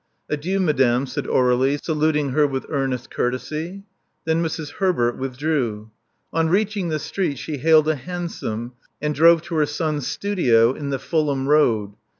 Adieu, madame," said Aurelie, saluting her with earnest courtesy. Then Mrs. Herbert withdrew. On reaching the street she hailed a hansom, and drove to her son's studio in the Fulham Road.